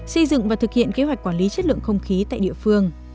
xây dựng và thực hiện kế hoạch quản lý chất lượng không khí tại địa phương